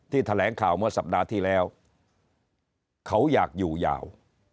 นี่ทแขนเข้าเมื่อสัปดาห์ที่แล้วเขาอยากอยู่ยาว